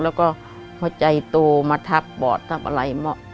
แล้วก็ใจโตมาทับปอดทับอะไรหมวก